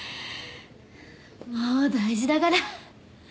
もう大事だがら。